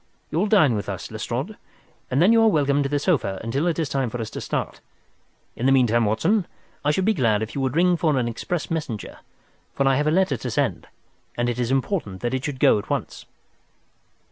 You'll dine with us, Lestrade, and then you are welcome to the sofa until it is time for us to start. In the meantime, Watson, I should be glad if you would ring for an express messenger, for I have a letter to send and it is important that it should go at once."